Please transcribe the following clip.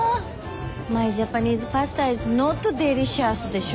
マイジャパニーズパスタイズノットデリシャスでしょ？